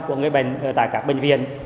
của người bệnh tại các bệnh viện